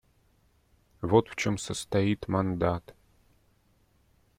Вот в чем состоит мандат.